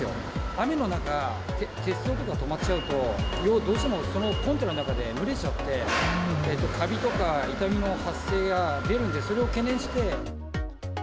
雨の中、鉄道とか止まっちゃうと、どうしてもそのコンテナの中で蒸れちゃって、カビとか傷みの発生が出るんで、それを懸念して。